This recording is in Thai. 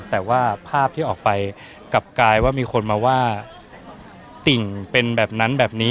แต่ว่าภาพที่ออกไปกลับกลายว่ามีคนมาว่าติ่งเป็นแบบนั้นแบบนี้